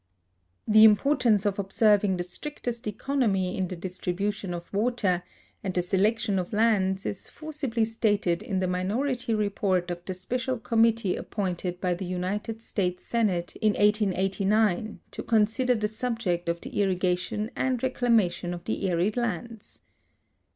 The imi)ortance of observing the strictest economy in the dis tribution of ^vater and the selection of lands is forcibly stated in the minority report of the Special Committee appointed })y the United States Senate in 1889 to consider the subject of the irriga tion aud reclamatiou of the arid lands.